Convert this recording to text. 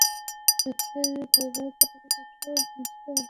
যুদ্ধের ভয়াবহতা থেকে ছোট্ট জোসুয়েকে বাঁচাতে বাবা গুইদো আশ্রয় নেয় চাতুরির।